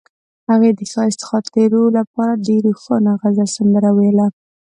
هغې د ښایسته خاطرو لپاره د روښانه غزل سندره ویله.